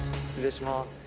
失礼します！